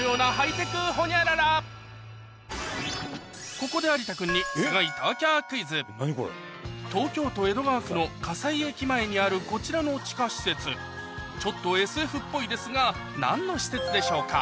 ここで有田君ににあるこちらの地下施設ちょっとＳＦっぽいですが何の施設でしょうか？